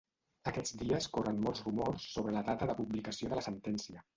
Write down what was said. Aquests dies corren molts rumors sobre la data de publicació de la sentència.